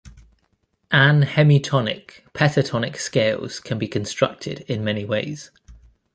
Anhemitonic pentatonic scales can be constructed in many ways.